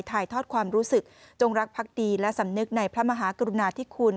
ถ่ายทอดความรู้สึกจงรักพักดีและสำนึกในพระมหากรุณาธิคุณ